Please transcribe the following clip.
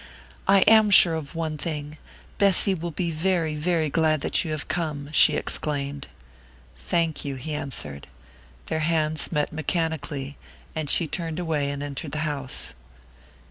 "I am sure of one thing Bessy will be very, very glad that you have come," she exclaimed. "Thank you," he answered. Their hands met mechanically, and she turned away and entered the house.